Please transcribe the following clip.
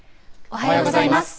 おはようございます。